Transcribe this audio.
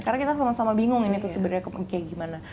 karena kita sama sama bingung ini tuh sebenarnya kayak gimana